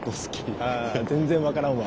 あ全然分からんわ。